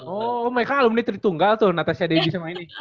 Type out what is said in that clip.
oh mereka ngak boleh milih tri tunggal tuh natasha debbie sama ini